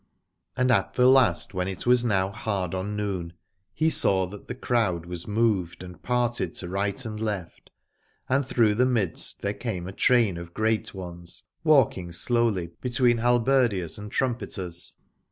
And at the last, when it was now hard on noon, he saw that the crowd was moved 80 Aladore and parted to right and left, and through the midst there came a train of great ones, walking slowly between halberdiers and trumpeters.